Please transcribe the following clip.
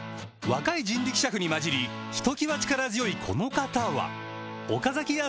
若い人力車夫に交じりひときわ力強いこの方は岡崎屋